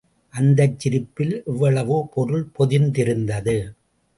அந்தச் சிரிப்பில் எவ்வளவோ பொருள் பொதிந்திருந்தது.